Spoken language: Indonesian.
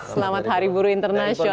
selamat hari buruh internasional